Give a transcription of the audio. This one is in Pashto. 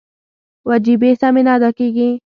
وجیبې سمې نه ادا کېږي.